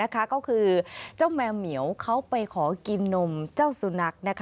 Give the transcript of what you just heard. ก็คือเจ้าแมวเหมียวเขาไปขอกินนมเจ้าสุนัข